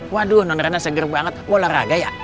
waduh nona seger banget olahraga ya